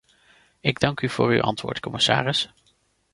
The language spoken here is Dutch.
Ik dank u voor uw antwoord, commissaris.